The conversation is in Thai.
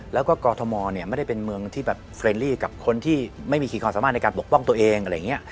แล้วก็กอทมไม่ได้เป็นเมืองที่แบบเฟรนลี่กับคนที่ไม่มีขีดความสามารถในการปกป้องตัวเองอะไรอย่างนี้